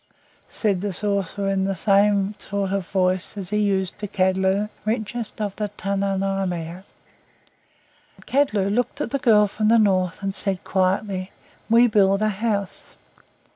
said the sorcerer in the same sort of voice as he used to Kadlu, richest of the Tununirmiut. Kadlu looked at the girl from the North, and said quietly, "WE build a house."